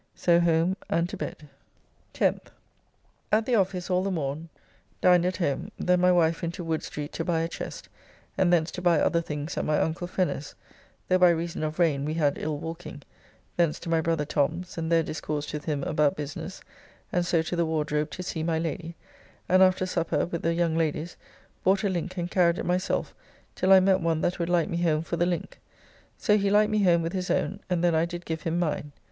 So home and to bed. 10th. At the office all the morn, dined at home; then my wife into Wood Street to buy a chest, and thence to buy other things at my uncle Fenner's (though by reason of rain we had ill walking), thence to my brother Tom's, and there discoursed with him about business, and so to the Wardrobe to see my Lady, and after supper with the young ladies, bought a link and carried it myself till I met one that would light me home for the link. So he light me home with his own, and then I did give him mine.